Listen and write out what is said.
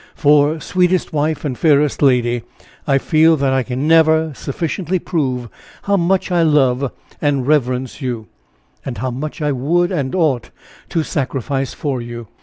for, sweetest wife, and fairest lady, I feel that I never can sufficiently prove how much I love and reverence you how much I would and ought to sacrifice for you!"